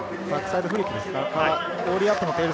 バックサイドフリップですね。